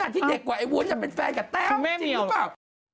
ที่เด็กกว่าไอ้วุ้นจะเป็นแฟนกับแต้มจริงหรือเปล่า